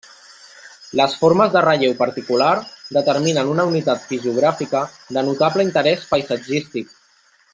Les formes de relleu particular, determinen una unitat fisiogràfica de notable interès paisatgístic.